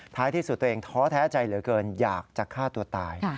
ที่สุดตัวเองท้อแท้ใจเหลือเกินอยากจะฆ่าตัวตาย